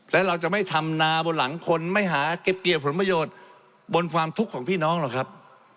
และเราจะไม่ทำนาบนหลังคนไม่หาเก็บเกี่ยวผลประโยชน์บนความทุกข์ของพี่น้องหรอกครับ